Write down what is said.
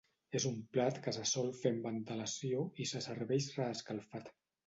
És un plat que se sol fer amb antelació i que se serveix reescalfat.